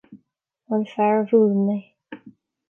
An fear a bhuaileann mé.